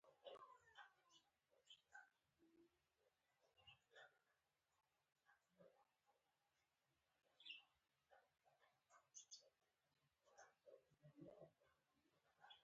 ویده ذهن د خوب صحنې جوړوي